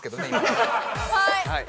はい！